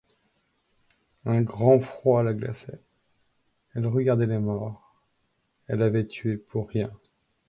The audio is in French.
Un grand froid la glaçait, elle regardait les morts, elle avait tué pour rien.